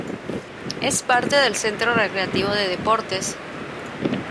Es parte del Centro Recreativo de deportes.